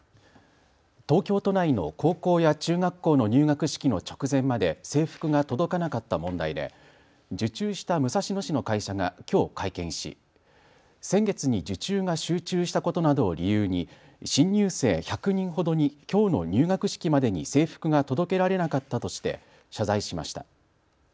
東京都内の高校や中学校の入学式の直前まで制服が届かなかった問題で受注した武蔵野市の会社がきょう会見し先月に受注が集中したことなどを理由に新入生１００人ほどにきょうの入学式までに制服が届けられなかったとして謝罪しました。